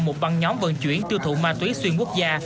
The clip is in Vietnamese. một băng nhóm vận chuyển tiêu thụ ma túy xuyên quốc gia